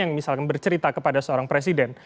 yang misalkan bercerita kepada seorang presiden